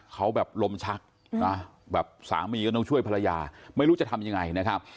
เขาแบบลมชักนะแบบสามีก็ต้องช่วยภรรยาไม่รู้จะทำยังไงนะครับ